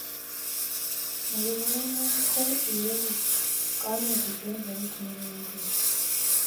Nebo iman ko egu konetut eng Rais nemi nguni